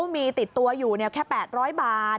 มีติดตัวอยู่แค่๘๐๐บาท